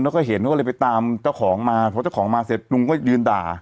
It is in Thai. แล้วก็เห็นเขาก็เลยไปตามเจ้าของมาพอเจ้าของมาเสร็จลุงก็ยืนด่า